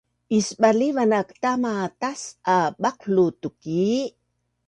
Isbalivan aak tama tas’a baqlu tukii